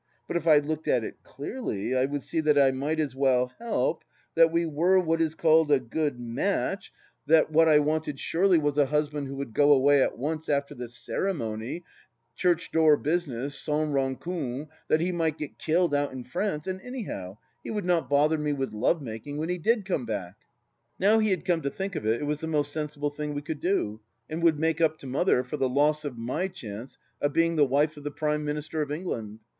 ... But if I looked at it clearly I woiSd see that I might as well help ... that we were what is called a good match ... that 288 THE LAST DITCH what I wanted surely was a husband who would go away at once after the ceremony — church door business — sans rancune ! That he might get killed out in France ; and any how he would not bother me with love making when he did come back. ... Now he had come to think of it, it was the most sensible thing we could do, and would make up to Mother for the loss of my chance of being the wife of the Prime Minister of England.